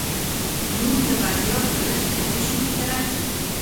نوم د بندیانو په لېسټ کې نه شې لیکلای؟